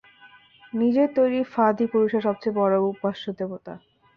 নিজের তৈরি ফাঁদই পুরুষের সব চেয়ে বড়ো উপাস্য দেবতা।